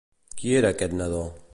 Qui era aquest nadó?